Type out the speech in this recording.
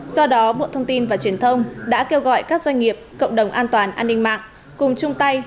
do đó bộ thông tin và truyền thông đã kêu gọi các doanh nghiệp cộng đồng an toàn an ninh mạng cùng chung tay